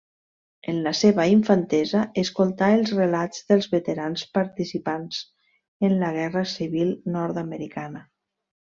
En la seva infantesa escoltà els relats dels veterans participants en la guerra civil nord-americana.